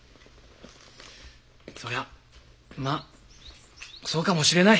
そりゃまあそうかもしれない。